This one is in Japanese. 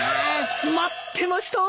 待ってました！